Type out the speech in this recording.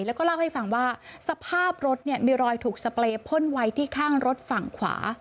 แล้วก็เล่าให้ฟังว่าสภาพรถเนี่ยมีรอยถูกสเปรย์พ่นไว้ที่ข้างรถฝั่งขวา